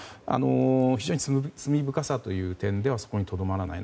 非常に罪深さという点ではそこにとどまらない。